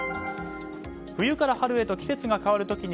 冬から春へと季節が変わる時